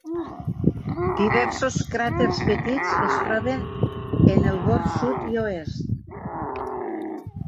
Diversos cràters petits es troben en el bord sud i oest.